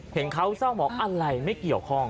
เห็นเขาเศร้าบอกอะไรไม่เกี่ยวข้อง